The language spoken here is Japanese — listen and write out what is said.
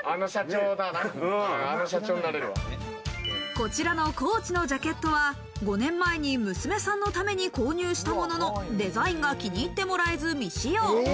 こちらのコーチのジャケットは、５年前に娘さんのために購入したものの、デザインが気に入ってもらえず、未使用。